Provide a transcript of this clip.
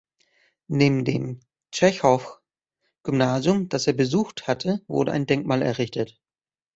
Neben dem Tschechow-Gymnasium, das er besucht hatte, wurde ein Denkmal errichtet.